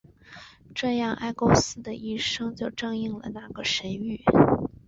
这样埃勾斯的一生就正应了那个神谕。